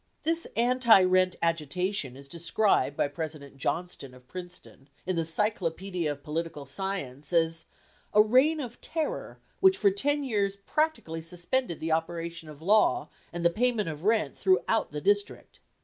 This anti rent agitation is described by Professor Johnston of Princeton, in the Cyclopædia of Political Science, as "a reign of terror which for ten years practically suspended the operations of law and the payment of rent throughout the district."